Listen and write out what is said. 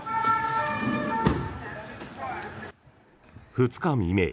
２日未明